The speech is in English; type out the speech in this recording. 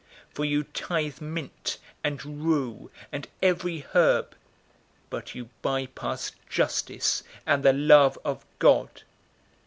For you tithe mint and rue and every herb, but you bypass justice and the love of God.